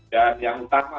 dan yang utama